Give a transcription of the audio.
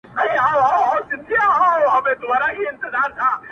لپه دي نه وه’ خو په لپه کي اوبه پاته سوې’